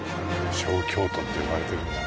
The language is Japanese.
小京都って呼ばれてるんだね。